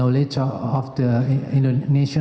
oleh polisi republik indonesia